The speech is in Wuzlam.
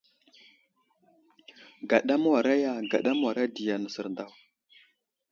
Gaɗa mə́wara ya, gaɗa mə́wara ɗiya nəsər daw.